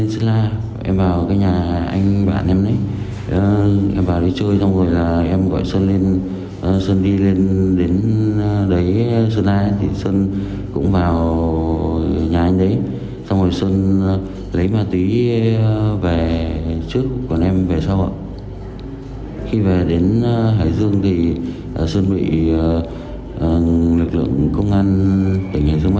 khi về đến hải dương thì sơn bị lực lượng công an tỉnh hải dương bắt giữ hợp